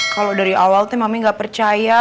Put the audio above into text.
kalo dari awal teh mami gak percaya